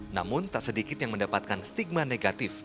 namun tak sedikit yang mendapatkan stigma negatif